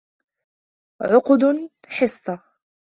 عقد حصّة.